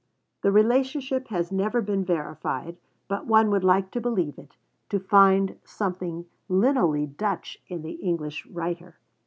The relationship has never been verified, but one would like to believe it; to find something lineally Dutch in the English writer.